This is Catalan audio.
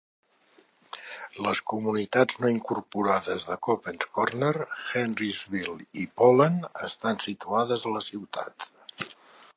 Les comunitats no incorporades de Coppens Corner, Henrysville i Poland estan situades a la ciutat.